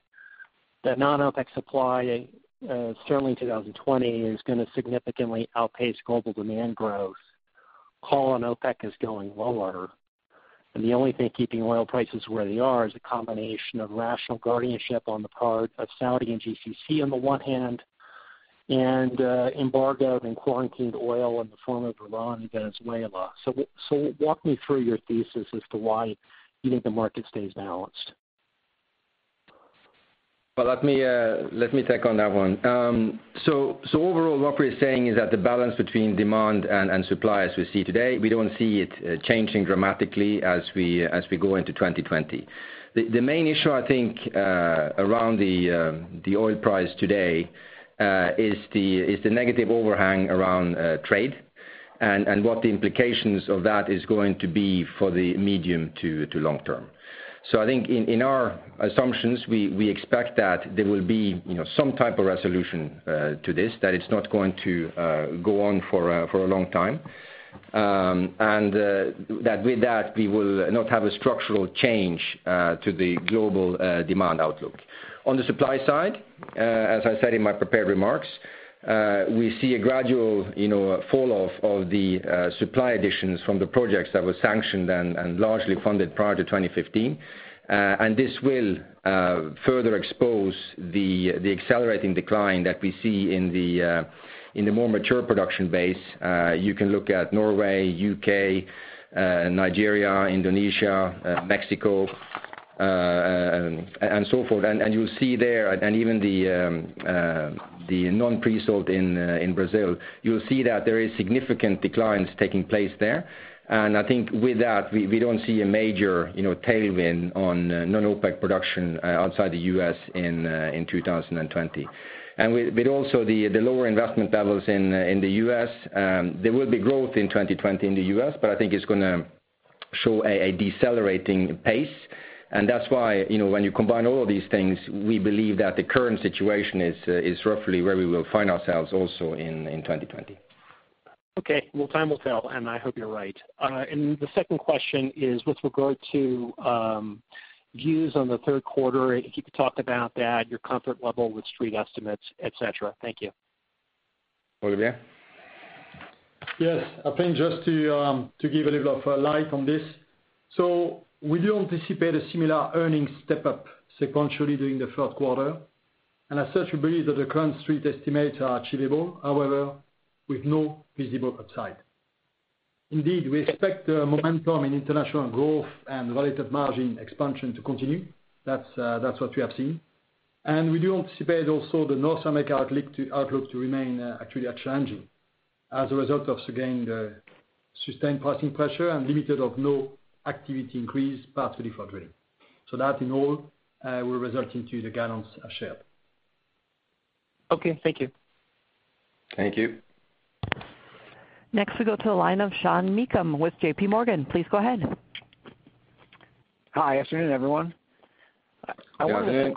that non-OPEC supply, certainly in 2020, is going to significantly outpace global demand growth. Call on OPEC is going lower, and the only thing keeping oil prices where they are is a combination of rational guardianship on the part of Saudi and GCC on the one hand, and embargoed and quarantined oil in the form of Iran and Venezuela. Walk me through your thesis as to why you think the market stays balanced. Well, let me take on that one. Overall, what we're saying is that the balance between demand and supply as we see today, we don't see it changing dramatically as we go into 2020. The main issue, I think, around the oil price today, is the negative overhang around trade and what the implications of that is going to be for the medium to long term. I think in our assumptions, we expect that there will be some type of resolution to this, that it's not going to go on for a long time. That with that, we will not have a structural change to the global demand outlook. On the supply side, as I said in my prepared remarks, we see a gradual fall-off of the supply additions from the projects that were sanctioned and largely funded prior to 2015. This will further expose the accelerating decline that we see in the more mature production base. You can look at Norway, U.K., Nigeria, Indonesia, Mexico, and so forth. You'll see there, and even the non-pre-salt in Brazil, you'll see that there is significant declines taking place there. I think with that, we don't see a major tailwind on non-OPEC production outside the U.S. in 2020. With also the lower investment levels in the U.S., there will be growth in 2020 in the U.S., but I think it's going to show a decelerating pace. That's why when you combine all of these things, we believe that the current situation is roughly where we will find ourselves also in 2020. Okay. Well, time will tell, and I hope you're right. The second question is with regard to views on the third quarter, if you could talk about that, your comfort level with Street estimates, et cetera. Thank you. Olivier? Yes. I think just to give a little of light on this. We do anticipate a similar earnings step-up sequentially during the third quarter. As such, we believe that the current Street estimates are achievable, however, with no visible upside. Indeed, we expect the momentum in international growth and relative margin expansion to continue. That's what we have seen. We do anticipate also the North America outlook to remain actually challenging as a result of, again, the sustained pricing pressure and limited or no activity increase, partly for drilling. That in all will result into the guidance I shared. Okay. Thank you. Thank you. Next we go to the line of Sean Meakim with JPMorgan. Please go ahead. Hi. Afternoon, everyone. Afternoon.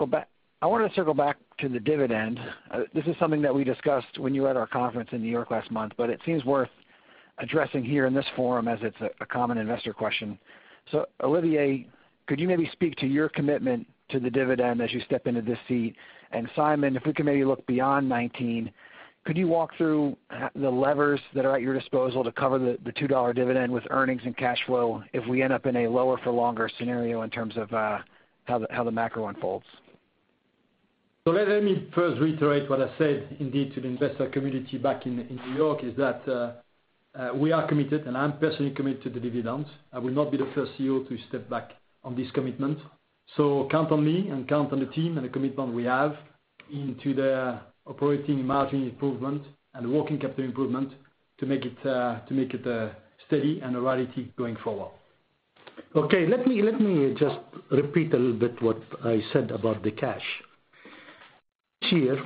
I wanted to circle back to the dividend. This is something that we discussed when you were at our conference in New York last month, but it seems worth addressing here in this forum as it's a common investor question. Olivier, could you maybe speak to your commitment to the dividend as you step into this seat? Simon, if we could maybe look beyond 2019, could you walk through the levers that are at your disposal to cover the $2 dividend with earnings and cash flow if we end up in a lower for longer scenario in terms of how the macro unfolds? Let me first reiterate what I said indeed to the investor community back in New York, is that we are committed, and I'm personally committed to the dividends. I will not be the first CEO to step back on this commitment. Count on me and count on the team and the commitment we haveInto the operating margin improvement and working capital improvement to make it steady and a reality going forward. Okay. Let me just repeat a little bit what I said about the cash. Here,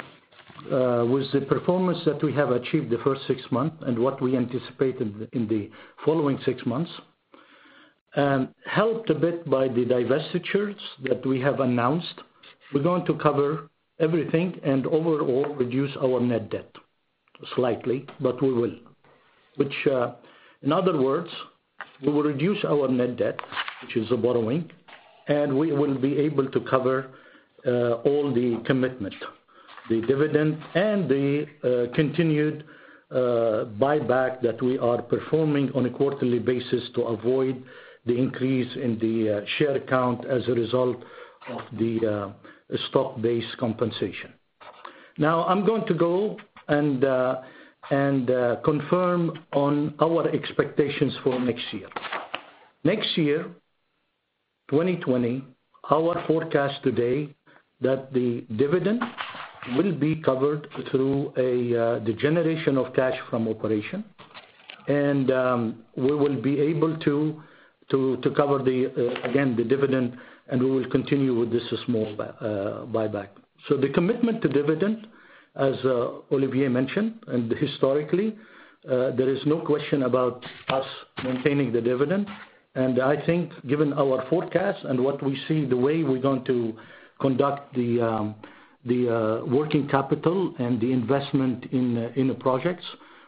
with the performance that we have achieved the first six months and what we anticipate in the following six months, and helped a bit by the divestitures that we have announced, we're going to cover everything and overall reduce our net debt slightly, but we will. Which, in other words, we will reduce our net debt, which is a borrowing, and we will be able to cover all the commitment, the dividend, and the continued buyback that we are performing on a quarterly basis to avoid the increase in the share count as a result of the stock-based compensation. I'm going to go and confirm on our expectations for next year. Next year, 2020, our forecast today that the dividend will be covered through the generation of cash from operation. We will be able to cover, again, the dividend, and we will continue with this small buyback. The commitment to dividend, as Olivier mentioned, and historically, there is no question about us maintaining the dividend. I think given our forecast and what we see, the way we're going to conduct the working capital and the investment in the projects,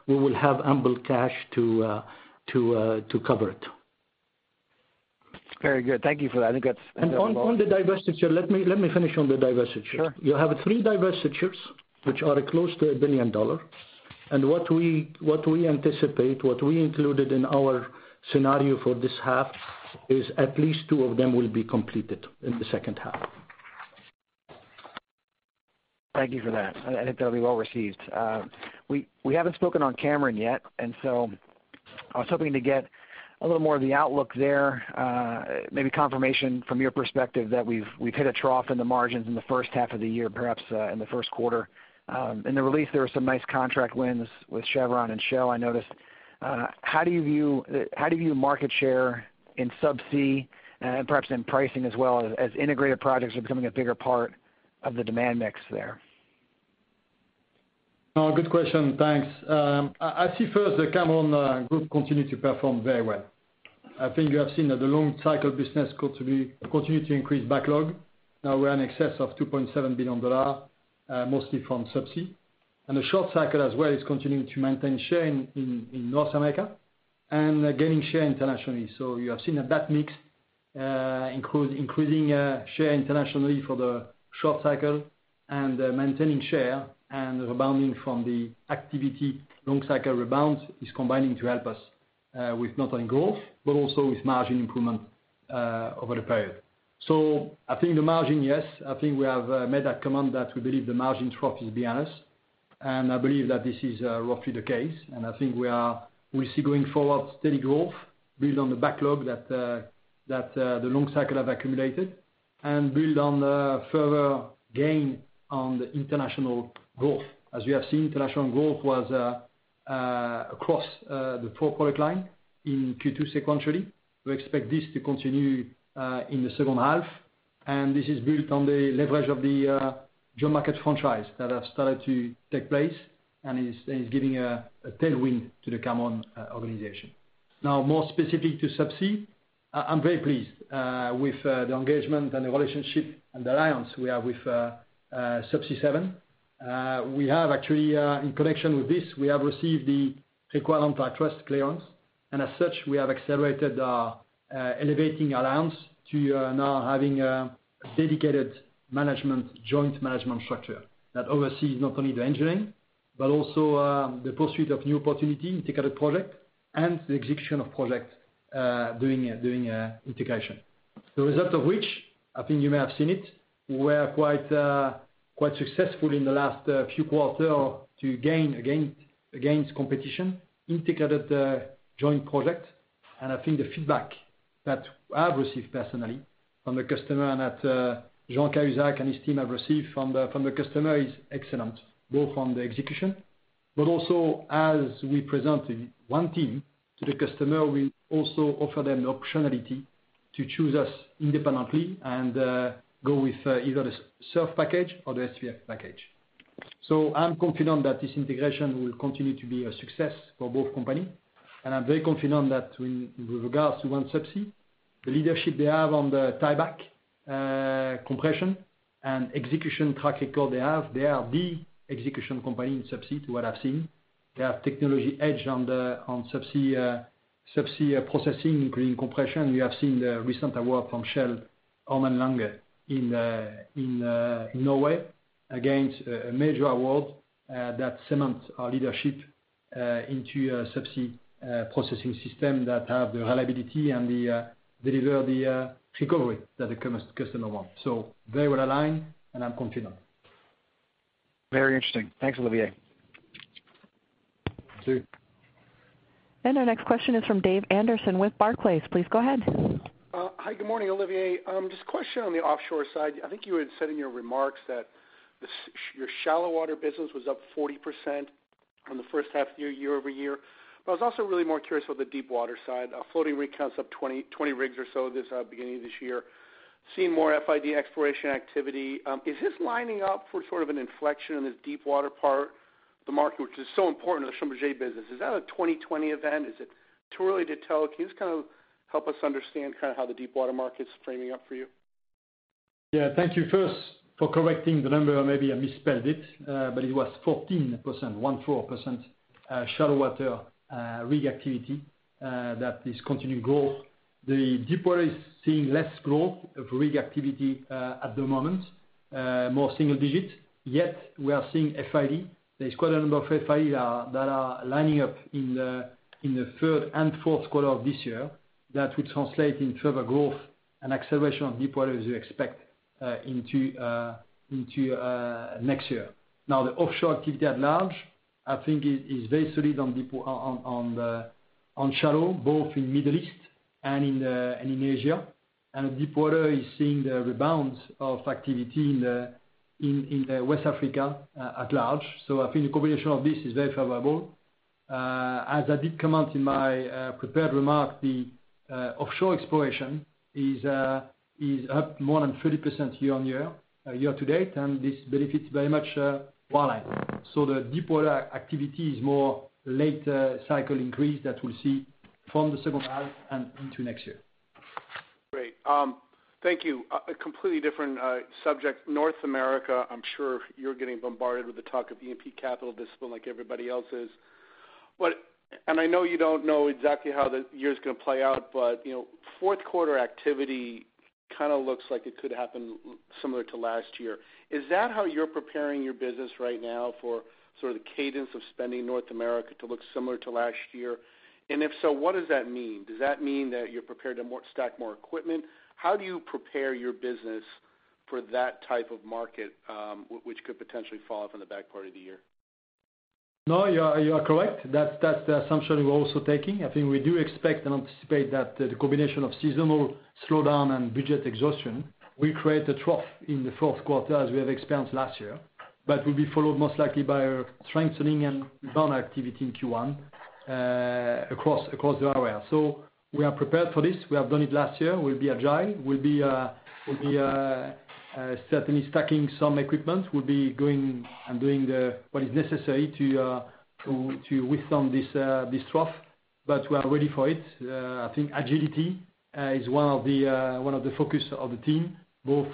we will have ample cash to cover it. Very good. Thank you for that. On the divestiture, let me finish on the divestiture. Sure. You have three divestitures, which are close to $1 billion. What we anticipate, what we included in our scenario for this half, is at least two of them will be completed in the second half. Thank you for that. I think that'll be well-received. We haven't spoken on Cameron yet. I was hoping to get a little more of the outlook there. Maybe confirmation from your perspective that we've hit a trough in the margins in the first half of the year, perhaps in the first quarter. In the release, there were some nice contract wins with Chevron and Shell, I noticed. How do you view market share in subsea and perhaps in pricing as well as integrated projects are becoming a bigger part of the demand mix there? Good question. Thanks. I see first the Cameron Group continue to perform very well. I think you have seen that the long cycle business continue to increase backlog. Now we're in excess of $2.7 billion, mostly from subsea. The short cycle as well is continuing to maintain share in North America and gaining share internationally. You have seen that mix, increasing share internationally for the short cycle and maintaining share and rebounding from the activity. Long cycle rebound is combining to help us with not only growth but also with margin improvement over the period. I think the margin, yes, I think we have made that comment that we believe the margin trough is behind us, and I believe that this is roughly the case. I think we see going forward steady growth build on the backlog that the long cycle have accumulated and build on the further gain on the international growth. As you have seen, international growth was across the four product line in Q2 sequentially. We expect this to continue in the second half. This is built on the leverage of the joint market franchise that have started to take place and is giving a tailwind to the Cameron organization. Now, more specific to subsea, I'm very pleased with the engagement and the relationship and alliance we have with Subsea 7. We have actually in connection with this, we have received the required antitrust clearance. As such, we have accelerated our elevating alliance to now having a dedicated joint management structure that oversees not only the engineering but also the pursuit of new opportunity, integrated project, and the execution of projects during integration. The result of which, I think you may have seen it, we were quite successful in the last few quarter to gain against competition, integrated joint project. I think the feedback that I have received personally from the customer and that Jean Cahuzac and his team have received from the customer is excellent, both on the execution, but also as we present one team to the customer, we also offer them the optionality to choose us independently and go with either the SURF package or the SPS package. I'm confident that this integration will continue to be a success for both company, and I'm very confident that with regards to OneSubsea, the leadership they have on the tieback compression and execution track record they have, they are the execution company in subsea to what I've seen. They have technology edge on subsea processing, including compression. We have seen the recent award from Shell Ormen Lange in Norway against a major award that cements our leadership into a subsea processing system that have the reliability and deliver the recovery that the customer want. Very well aligned, and I'm confident. Very interesting. Thanks, Olivier. Thank you. Our next question is from Dave Anderson with Barclays. Please go ahead. Hi, good morning, Olivier. Just a question on the offshore side. I think you had said in your remarks that your shallow water business was up 40% on the first half of your year-over-year. I was also really more curious about the deep water side. Floating rigs counts up 20 rigs or so beginning of this year, seeing more FID exploration activity. Is this lining up for sort of an inflection in this deep water part of the market, which is so important to the Schlumberger business? Is that a 2020 event? Is it too early to tell? Can you just kind of help us understand how the deep water market's framing up for you? Yeah. Thank you first for correcting the number. Maybe I misspelled it, but it was 14%, one, four percent, shallow water rig activity that is continuing growth. The deep water is seeing less growth of rig activity at the moment, more single digits. We are seeing FID. There is quite a number of FID that are lining up in the third and fourth quarter of this year that will translate into further growth and acceleration of deep water as you expect into next year. The offshore activity at large, I think is very solid on shallow, both in Middle East and in Asia. Deep water is seeing the rebound of activity in the West Africa at large. I think the combination of this is very favorable. As I did comment in my prepared remarks, the offshore exploration is up more than 30% year-on-year, year to date, and this benefits very much Wall Street. The deep water activity is more later cycle increase that we'll see from the second half and into next year. Great. Thank you. A completely different subject. North America, I'm sure you're getting bombarded with the talk of E&P capital discipline like everybody else is. I know you don't know exactly how the year's going to play out, but fourth quarter activity kind of looks like it could happen similar to last year. Is that how you're preparing your business right now for sort of the cadence of spending North America to look similar to last year? If so, what does that mean? Does that mean that you're prepared to stack more equipment? How do you prepare your business for that type of market, which could potentially fall off in the back part of the year? No, you are correct. That's the assumption we're also taking. I think we do expect and anticipate that the combination of seasonal slowdown and budget exhaustion will create a trough in the fourth quarter as we have experienced last year, but will be followed most likely by a strengthening and rebound activity in Q1 across the ROE. We are prepared for this. We have done it last year. We'll be agile. We'll be certainly stacking some equipment. We'll be going and doing what is necessary to withstand this trough, but we are ready for it. I think agility is one of the focus of the team, both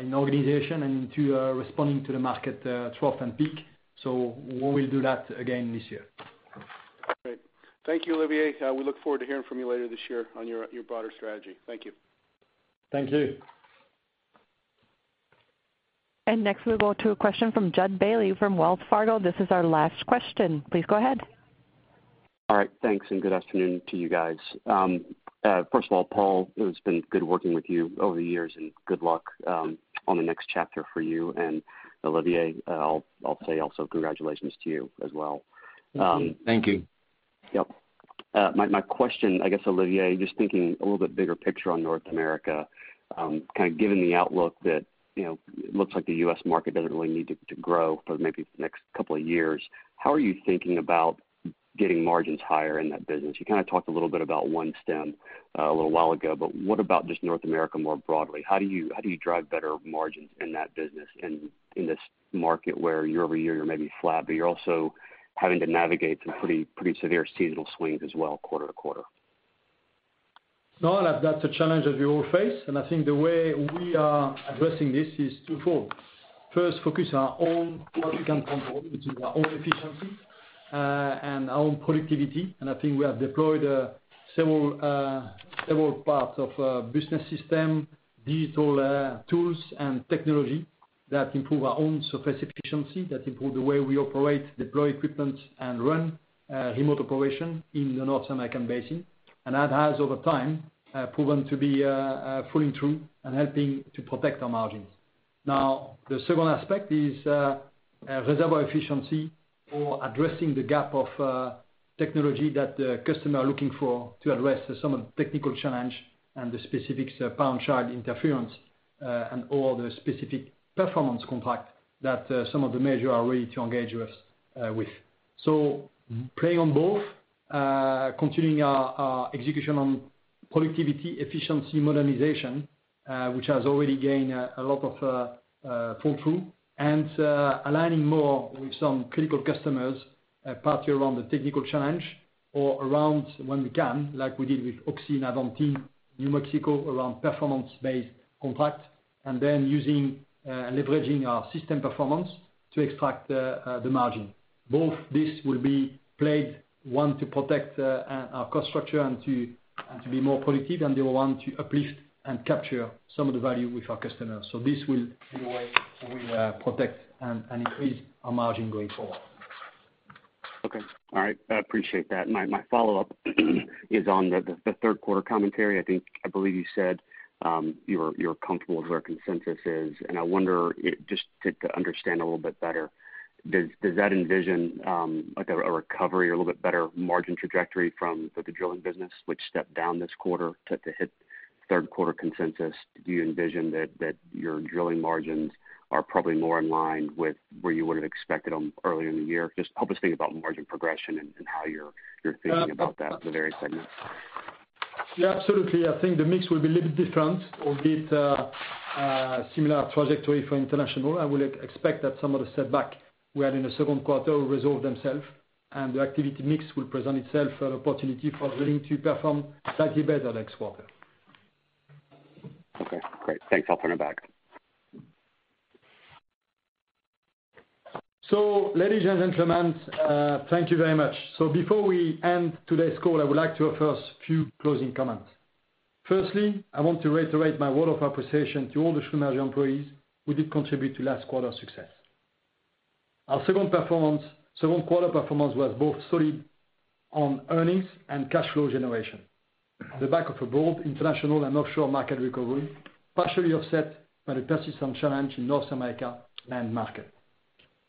in organization and to responding to the market trough and peak. We will do that again this year. Great. Thank you, Olivier. We look forward to hearing from you later this year on your broader strategy. Thank you. Thank you. Next we'll go to a question from Judd Bailey from Wells Fargo. This is our last question. Please go ahead. All right, thanks, and good afternoon to you guys. First of all, Paal, it has been good working with you over the years, and good luck on the next chapter for you. Olivier, I'll say also congratulations to you as well. Thank you. Yep. My question, I guess, Olivier, just thinking a little bit bigger picture on North America, given the outlook that it looks like the U.S. market doesn't really need to grow for maybe the next couple of years. How are you thinking about getting margins higher in that business? You kind of talked a little bit about OneStim a little while ago, but what about just North America more broadly? How do you drive better margins in that business and in this market where year-over-year you're maybe flat, but you're also having to navigate some pretty severe seasonal swings as well quarter-to-quarter? No, that's a challenge that we all face, and I think the way we are addressing this is twofold. First, focus on what we can control, which is our own efficiency and our own productivity, and I think we have deployed several parts of business system, digital tools, and technology that improve our own surface efficiency, that improve the way we operate, deploy equipment, and run remote operation in the North American basin. That has, over time, proven to be pulling through and helping to protect our margins. Now, the second aspect is reservoir efficiency for addressing the gap of technology that the customer are looking for to address some of the technical challenge and the specific parent-child well interference and all the specific performance contract that some of the major are ready to engage us with. Play on both, continuing our execution on productivity, efficiency modernization, which has already gained a lot of pull-through, and aligning more with some critical customers, partly around the technical challenge or around when we can, like we did with Oxy and Avantilounge, New Mexico, around performance-based contract, and then using and leveraging our system performance to extract the margin. This will be played, one, to protect our cost structure and to be more productive, and the other one to uplift and capture some of the value with our customers. This will be the way we protect and increase our margin going forward. Okay. All right. I appreciate that. My follow-up is on the third quarter commentary. I believe you said you're comfortable with where consensus is, and I wonder, just to understand a little bit better? Does that envision, like a recovery or a little bit better margin trajectory from the drilling business, which stepped down this quarter to hit third quarter consensus? Do you envision that your drilling margins are probably more in line with where you would've expected them earlier in the year? Just help us think about margin progression and how you're thinking about that for the various segments. Absolutely. I think the mix will be a little bit different, albeit a similar trajectory for international. I would expect that some of the setback we had in the second quarter will resolve themselves, and the activity mix will present itself an opportunity for drilling to perform slightly better next quarter. Okay, great. Thanks. I'll turn it back. Ladies and gentlemen, thank you very much. Before we end today's call, I would like to offer a few closing comments. Firstly, I want to reiterate my word of appreciation to all the Schlumberger employees who did contribute to last quarter's success. Our second quarter performance was both solid on earnings and cash flow generation. The back of a bold international and offshore market recovery, partially offset by the persistent challenge in North America land market.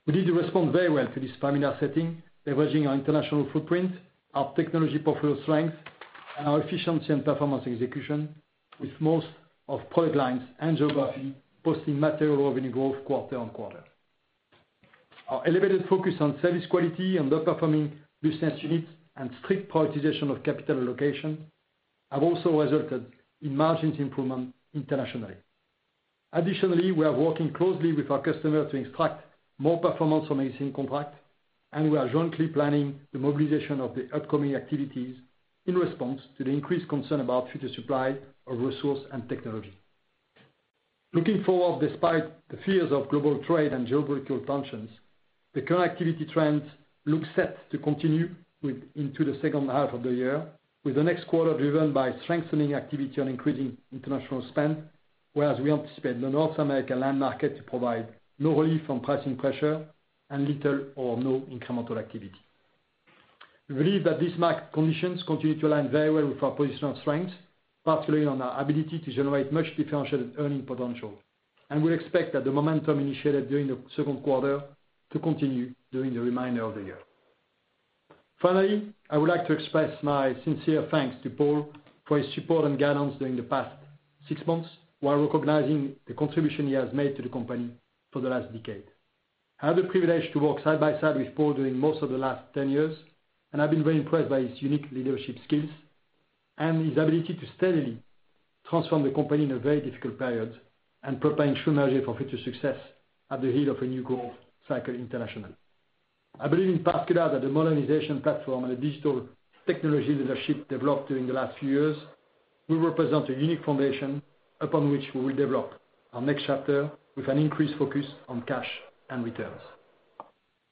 We did respond very well to this familiar setting, leveraging our international footprint, our technology portfolio strength, and our efficiency and performance execution with most of product lines and geography posting material revenue growth quarter-on-quarter. Our elevated focus on service quality and the performing loose ends units and strict prioritization of capital allocation have also resulted in margins improvement internationally. Additionally, we are working closely with our customer to extract more performance from existing contracts. We are jointly planning the mobilization of the upcoming activities in response to the increased concern about future supply of resource and technology. Looking forward, despite the fears of global trade and geopolitical tensions, the current activity trends look set to continue into the second half of the year, with the next quarter driven by strengthening activity and increasing international spend, whereas we anticipate the North American land market to provide no relief on pricing pressure and little or no incremental activity. We believe that these market conditions continue to align very well with our positional strengths, particularly on our ability to generate much differentiated earning potential. We expect that the momentum initiated during the second quarter to continue during the remainder of the year. Finally, I would like to express my sincere thanks to Paal for his support and guidance during the past six months while recognizing the contribution he has made to the company for the last decade. I had the privilege to work side by side with Paal during most of the last 10 years. I've been very impressed by his unique leadership skills and his ability to steadily transform the company in a very difficult period and preparing Schlumberger for future success at the heel of a new growth cycle internationally. I believe in particular that the modernization platform and the digital technology leadership developed during the last few years will represent a unique foundation upon which we will develop our next chapter with an increased focus on cash and returns.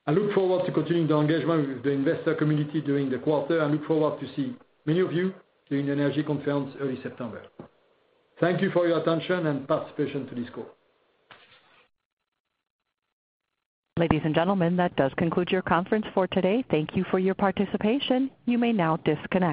I look forward to continuing the engagement with the investor community during the quarter. I look forward to see many of you during the energy conference early September. Thank you for your attention and participation to this call. Ladies and gentlemen, that does conclude your conference for today. Thank you for your participation. You may now disconnect.